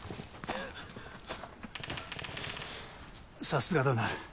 さすがだな。